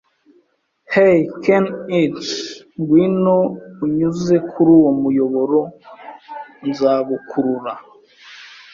Hey, Ken'ichi, ngwino unyuze kuri uwo muyoboro. Nzagukurura